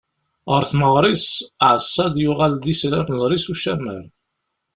Ɣer temɣer-is, Ɛeṣṣad yuɣal d islamẓri s ucamar.